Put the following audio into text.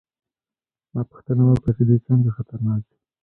ما پوښتنه وکړه چې دوی څنګه خطرناک دي